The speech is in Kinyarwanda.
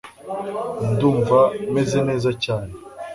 Ndumva meze neza cyane